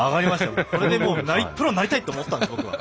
これでプロになりたいと思ったんです、僕。